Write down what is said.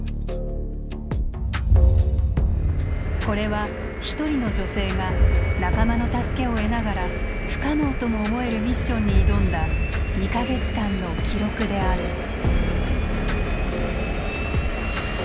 これは一人の女性が仲間の助けを得ながら不可能とも思えるミッションに挑んだ２か月間の記録である。